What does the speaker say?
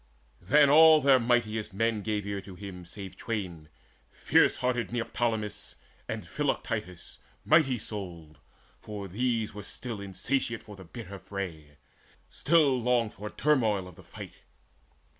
Then all their mightiest men gave ear to him Save twain, fierce hearted Neoptolemus And Philoctetes mighty souled; for these Still were insatiate for the bitter fray, Still longed for turmoil of the fight.